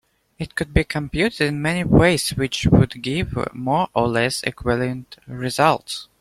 It could be computed in many ways which would give more or less equivalent results.